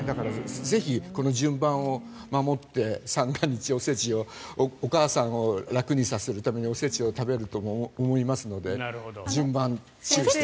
ぜひ、順番を守って三が日、お節をお母さんを楽にさせるためにお節を食べると思いますので順番に注意して。